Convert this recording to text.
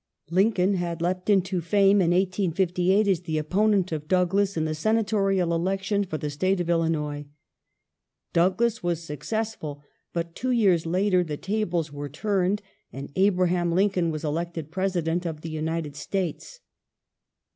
Lincoln had leapt into fame in 1858 as the op ponent of Douglas in the Senatorial Election for the State of Illinois. Douglas was successful, but two years later the tables were turned and Abraham Lincoln was elected President of the United States.